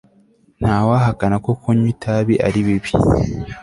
ntawahakana ko kunywa itabi ari bibi